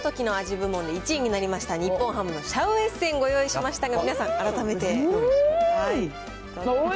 部門で１位になりました、日本ハムのシャウエッセン、ご用意しましたが、皆さん、改めて。